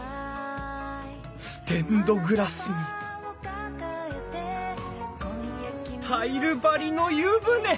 ステンドグラスにタイル張りの湯船。